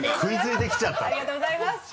ありがとうございます。